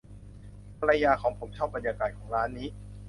ภรรยาของผมชอบบรรยากาศของร้านนี้